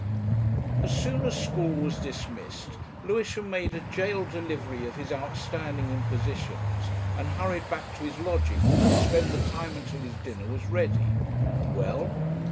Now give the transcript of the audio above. As soon as school was dismissed Lewisham made a gaol delivery of his outstanding impositions, and hurried back to his lodgings, to spend the time until his dinner was ready Well?...